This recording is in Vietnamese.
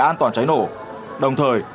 an toàn cháy nổ đồng thời